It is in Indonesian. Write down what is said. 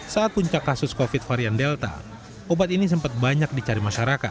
saat puncak kasus covid varian delta obat ini sempat banyak dicari masyarakat